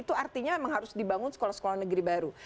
itu artinya memang harus dibangun sekolah sekolah negeri baru